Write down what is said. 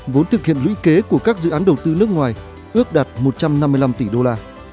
vốn thực hiện lũy kế của các dự án đầu tư nước ngoài ước đạt một trăm năm mươi năm tỷ đô la